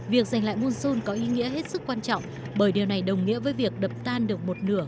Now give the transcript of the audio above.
việc giành lại muôn son có ý nghĩa hết sức quan trọng bởi điều này đồng nghĩa với việc đập tan được một nửa